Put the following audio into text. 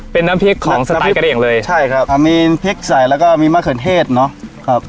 เป็นน้ำพริกของสปายกระเด่งเลยใช่ครับอ่ามีพริกใส่แล้วก็มีมะเขือเทศเนอะครับ